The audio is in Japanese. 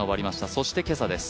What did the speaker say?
そして今朝です。